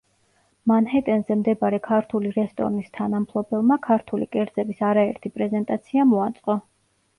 მანჰეტენზე მდებარე ქართული რესტორნის თანამფლობელმა, ქართული კერძების არაერთი პრეზენტაცია მოაწყო.